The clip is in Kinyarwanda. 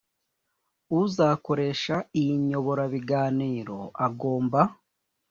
uzakoresha iyi nyoborabiganiro agomba